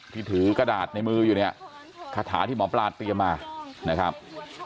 ที่ถือกระดาษในมืออยู่เนี่ยคาถาที่หมอปลาเตรียมมานะครับ